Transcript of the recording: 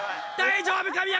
大丈夫か？